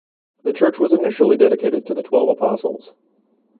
The church was initially dedicated to the Twelve Apostles.